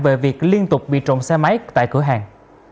về việc liên tục bị trộm xe máy tại cửa hàng